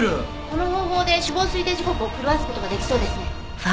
この方法で死亡推定時刻を狂わす事ができそうですね。